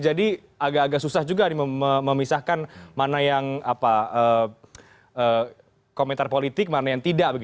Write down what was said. jadi agak agak susah juga memisahkan mana yang komentar politik mana yang tidak